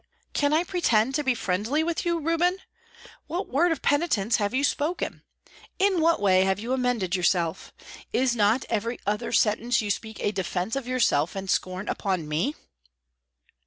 "Can I pretend to be friendly with you, Reuben? What word of penitence have you spoken? In what have you amended yourself? Is not every other sentence you speak a defence of yourself and scorn upon me?"